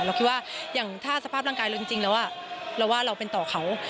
เราคิดว่าอย่างถ้าสภาพร่างกายเราจริงแล้วเราว่าเราเป็นต่อเขา